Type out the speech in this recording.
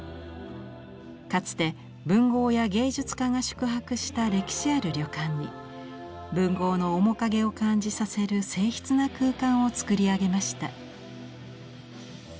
かつて文豪や芸術家が宿泊した歴史ある旅館に文豪の面影を感じさせる静ひつな空間をつくりあげました。